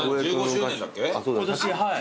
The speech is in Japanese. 今年はい。